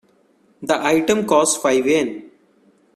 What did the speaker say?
The item costs five Yen.